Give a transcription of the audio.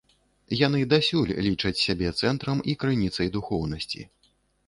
Яны дасюль лічаць сябе цэнтрам і крыніцай духоўнасці.